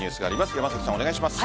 山崎さん、お願いします。